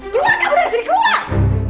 keluar kamu dari sini keluar